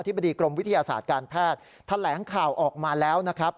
บดีกรมวิทยาศาสตร์การแพทย์แถลงข่าวออกมาแล้วนะครับ